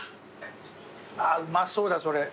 ああうまそうだよそれ。